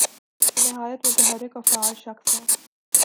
وہ نہایت متحرک اور فعال شخص ہیں۔